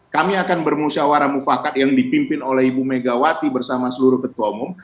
kami akan bermusyawarah mufakat yang dipimpin oleh ibu megawati bersama seluruh ketua umum